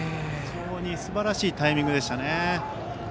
非常にすばらしいタイミングでしたね。